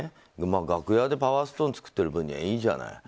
楽屋でパワーストーン作ってる分にはいいじゃない。